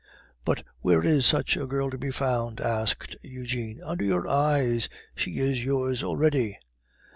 "But where is such a girl to be found?" asked Eugene. "Under your eyes; she is yours already."